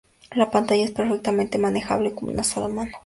La pantalla es perfectamente manejable con una sola mano.